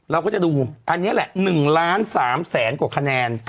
เราก็จะดูอันนี้แหละ๑ล้าน๓แสนกว่าคะแนน